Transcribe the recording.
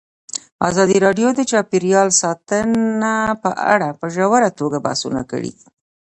ازادي راډیو د چاپیریال ساتنه په اړه په ژوره توګه بحثونه کړي.